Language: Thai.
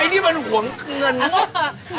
ไอ้นี่มันหวนเงินหมด